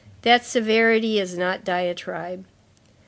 That severity is not diatribe.